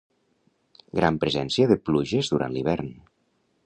Gran presència de pluges durant l'hivern.